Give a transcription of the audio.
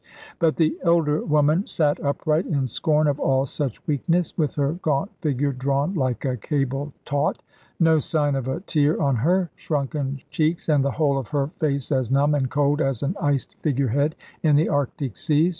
But the elder woman sate upright, in scorn of all such weakness, with her gaunt figure drawn like a cable taut, no sign of a tear on her shrunken cheeks, and the whole of her face as numb and cold as an iced figure head in the Arctic seas.